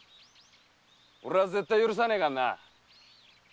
〔俺は絶対許さねえからな！〕